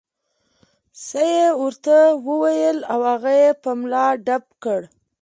څه یې ورته وویل او هغه یې په ملا ډب کړ.